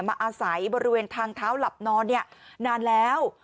อาศัยบริเวณทางเท้าหลับนอนนานแล้ว